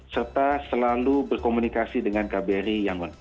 serta selalu berkomunikasi dengan kbri yangon